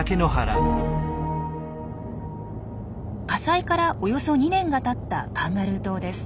火災からおよそ２年がたったカンガルー島です。